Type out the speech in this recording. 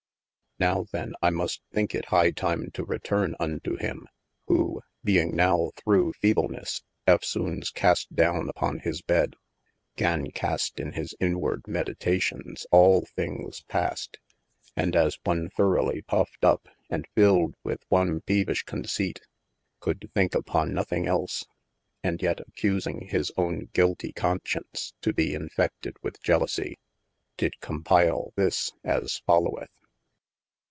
Nowe then I must thinke it high time to retorne unto him, who (being now through feeblenesse eftsones cast downe upon his bed) gan cast in his inwarde meditations all thinges passed, and as one throughly puffed up and filled with one peevishe conceipte, coulde thinke uppon nothing else, and yet accusing his own guiltie conscience to be infe&ed with jelosie, dyd compile this as followeth.